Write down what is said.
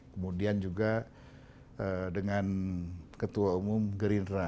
kemudian juga dengan ketua umum gerindra